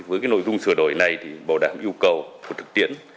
với cái nội dung sửa đổi này thì bảo đảm yêu cầu của thực tiễn